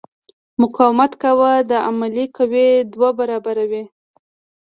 مقاومه قوه د عاملې قوې دوه برابره وي.